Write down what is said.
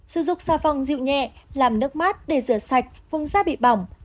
sử dụng xà phòng dịu nhẹ làm nước mát để rửa sạch vùng da bị bỏng